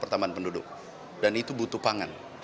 pertambahan penduduk dan itu butuh pangan